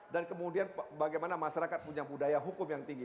dan kemudian bagaimana masyarakat punya budaya hukum yang tinggi